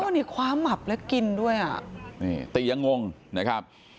เอาไว้คว้๊ะหมับและกินด้วยนี่ตียังงงนะครับ